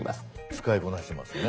使いこなしてますね。